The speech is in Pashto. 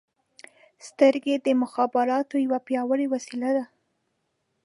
• سترګې د مخابراتو یوه پیاوړې وسیله ده.